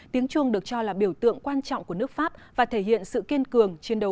tiếng chuông được cho là biểu tượng quan trọng của nước pháp và thể hiện sự kiên cường chiến đấu